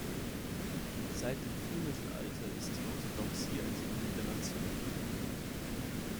Seit dem Frühmittelalter ist die Orthodoxie ein Symbol der Nation.